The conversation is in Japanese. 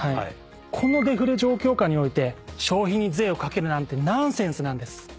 このデフレ状況下において消費に税をかけるなんてナンセンスなんです。